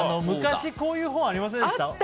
昔こういう本ありませんでした？